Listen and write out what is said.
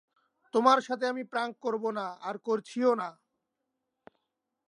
তোমার সাথে আমি প্র্যাঙ্ক করব না, আর করছিও না।